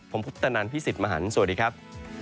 ผมพุทธนันพี่สิทธิ์มหันฯสวัสดีครับ